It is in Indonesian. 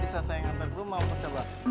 bisa saya ngambil rumah apa sebab